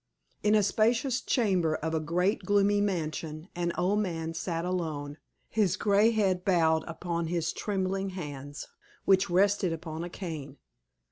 In a spacious chamber of a great, gloomy mansion, an old man sat alone, his gray head bowed upon his trembling hands, which rested upon a cane.